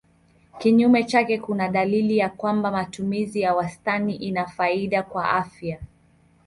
Kinyume chake kuna dalili ya kwamba matumizi ya wastani ina faida kwa afya.